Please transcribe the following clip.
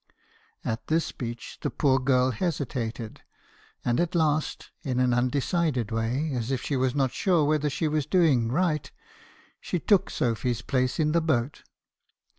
"At this speech the poor girl hesitated, and at last, in an undecided way, as if she was not sure whether she was doing right, she took Sophy's place in the boat.